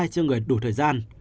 cho người đủ thời gian